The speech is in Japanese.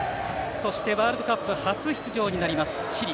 そしてワールドカップ初出場になります、チリ。